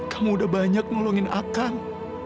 kamu udah banyak nolongin akan